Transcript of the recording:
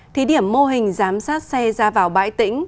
thí điểm mô hình giám sát xe ra vào bãi tỉnh